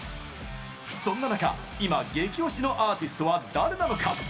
そんな中、今、激推しのアーティストは誰なのか？